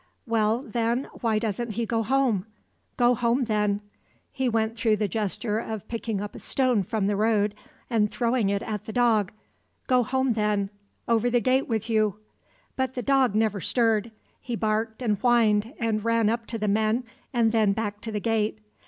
"Well, then, why doesn't he go home? Go home then!" He went through the gesture of picking up a stone from the road and throwing it at the dog. "Go home, then! Over the gate with you." But the dog never stirred. He barked and whined and ran up to the men and then back to the gate.